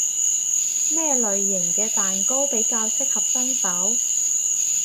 咩類型嘅蛋糕比較適合新手？